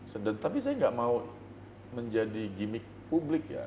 sedang tapi saya nggak mau menjadi gimmick publik ya